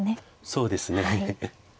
そうですね。